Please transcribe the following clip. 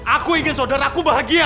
aku ingin saudara aku bahagia